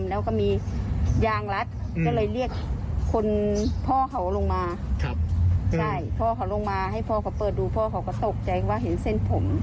นี่คะหายไป๕วัน